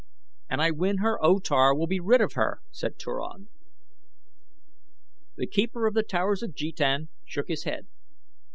"And I win her O Tar will be rid of her," said Turan. The keeper of The Towers of Jetan shook his head.